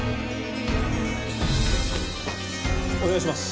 お願いします。